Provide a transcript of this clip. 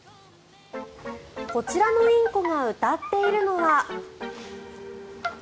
こちらのインコが歌っているのは。